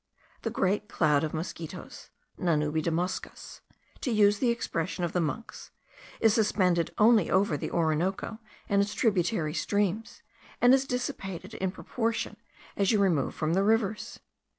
The great cloud of mosquitos (la nube de moscas) to use the expression of the monks, is suspended only over the Orinoco and its tributary streams, and is dissipated in proportion as you remove from the rivers.